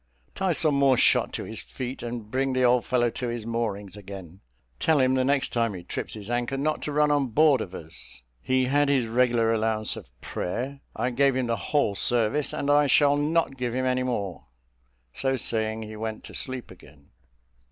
Tie some more shot to his feet, and bring the old fellow to his moorings again. Tell him, the next time he trips his anchor, not to run on board of us. He had his regular allowance of prayer: I gave him the whole service, and I shall not give him any more." So saying, he went to sleep again.